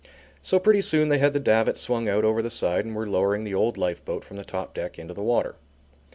So pretty soon they had the davits swung out over the side and were lowering the old lifeboat from the top deck into the water.